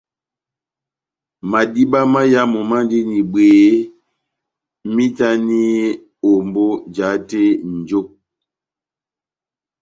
Madiba máyamu mandini bwehé, mahitani ombó jahate nʼnjo.